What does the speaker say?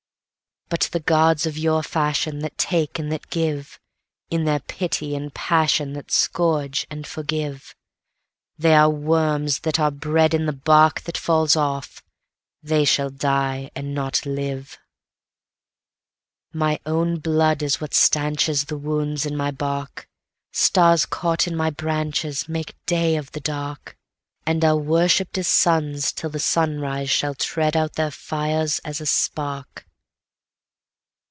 But the Gods of your fashionThat take and that give, In their pity and passionThat scourge and forgive, They are worms that are bred in the bark that falls off: they shall die and not live.My own blood is what stanchesThe wounds in my bark:Stars caught in my branchesMake day of the dark, And are worshipp'd as suns till the sunrise shall tread out their fires as a spark.